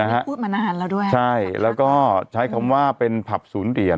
พูดมานานแล้วด้วยใช่แล้วก็ใช้คำว่าเป็นผับศูนย์เหรียญ